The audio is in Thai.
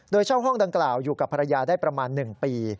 โดยเช่าห้องดังกล่าวอยู่กับภรรยาได้ประมาณ๑ปี